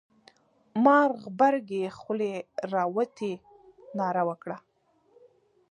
مار غبرگې خولې را وتې ناره وکړه.